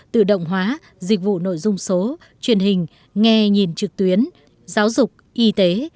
tổng hóa dịch vụ nội dung số truyền hình nghe nhìn trực tuyến giáo dục y tế